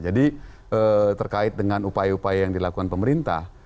jadi terkait dengan upaya upaya yang dilakukan pemerintah